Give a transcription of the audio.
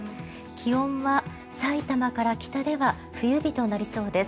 気温はさいたまから北では冬日となりそうです。